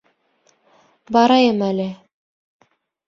— Барайым әле.